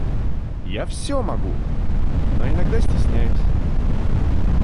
Я всё могу, но иногда стесняюсь.